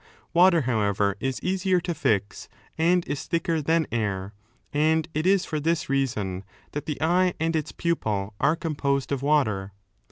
Water, however, is easier to fix and is " thicker than air, and it is for this reason that the eye and its pupil are composed of water.